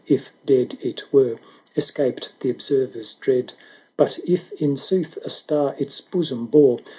If dead it were, escaped the observer's dread; But if in sooth a Star its bosom bore.